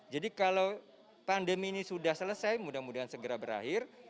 jadi kalau pandemi ini sudah selesai mudah mudahan segera berakhir